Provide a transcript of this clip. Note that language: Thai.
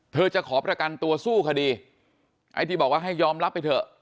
จะขอประกันตัวสู้คดีไอ้ที่บอกว่าให้ยอมรับไปเถอะ